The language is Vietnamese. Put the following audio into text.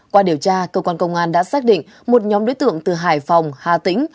qua điều tra cơ quan công an đã xác định một nhóm đối tượng từ hải phòng hà tĩnh